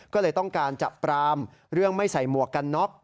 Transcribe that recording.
ก็เลยต้องการจับปรามเรื่องไม่ใส่หมวกกันน็อก